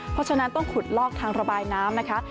เพราะฉะนั้นต้องขุดลอกทางระบายน้ำนะคะ